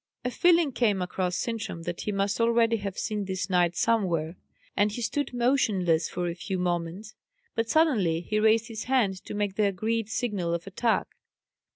A feeling came across Sintram that he must already have seen this knight somewhere; and he stood motionless for a few moments. But suddenly he raised his hand, to make the agreed signal of attack.